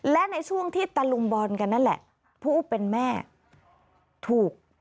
และในช่วงที่ตะลุมบอลกันนั่นแหละผู้เป็นแม่ถูก